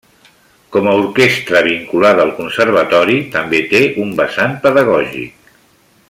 Com a orquestra vinculada al Conservatori també té un vessant pedagògic.